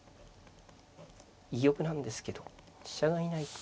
居玉なんですけど飛車がいない。